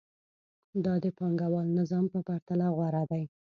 دا د پانګوال نظام په پرتله غوره دی